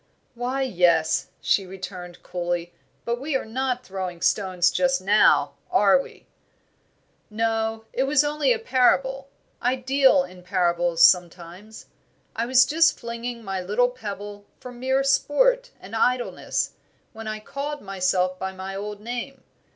"Why, yes," she returned, coolly, "but we are not throwing stones just now, are we?" "No, it was only a parable; I deal in parables sometimes. I was just flinging my little pebble for mere sport and idleness, when I called myself by my old name.